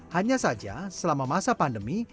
hanya saja selama masa pandemi